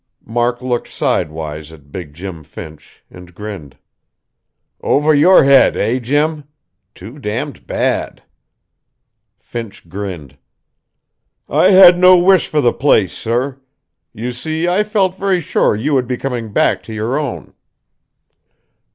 Mark looked sidewise at big Jim Finch, and grinned. "Over your head, eh, Jim? Too damned bad!" Finch grinned. "I had no wish for the place, sir. You see, I felt very sure you would be coming back to your own."